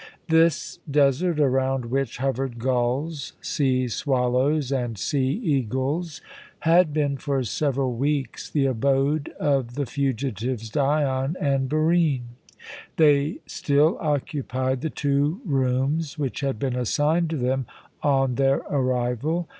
This desert, around which hovered gulls, sea swallows, and sea eagles, had been for several weeks the abode of the fugitives, Dion and Barine. They still occupied the two rooms which had been assigned to them on their arrival.